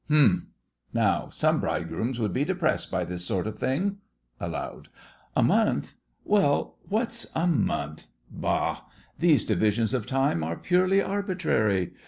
Humph! Now, some bridegrooms would be depressed by this sort of thing! (Aloud.) A month? Well, what's a month? Bah! These divisions of time are purely arbitrary.